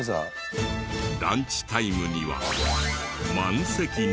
ランチタイムには満席に。